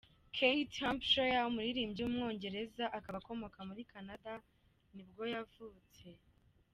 Keith Hampshire, umuririmbyi w’umwongereza akaba akomoka muri Canada nibwo yavutse.